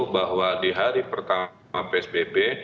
bahwa di hari pertama psbb